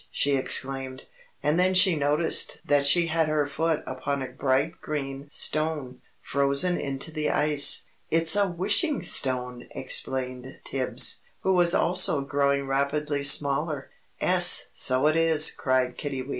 she exclaimed, and then she noticed that she had her foot upon a bright green stone, frozen into the ice. "It's a Wishing Stone!" explained Tibbs, who was also growing rapidly smaller. "'Es, so it is," cried Kiddiwee.